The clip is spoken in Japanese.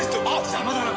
邪魔だな。